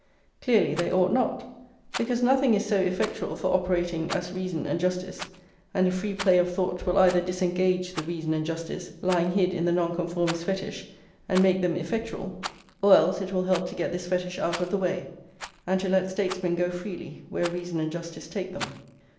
Clearly they ought not; because nothing is so effectual for operating as reason and justice, and a free play of thought will either disengage the reason and justice lying hid in the Nonconformist fetish, and make them effectual, or else it will help to get this fetish out of the way, and to let statesmen go freely where reason and justice take them.